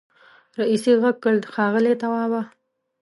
رئيسې غږ کړ ښاغلی توابه.